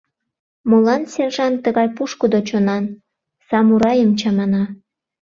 «Молан сержант тыгай пушкыдо чонан: самурайым чамана!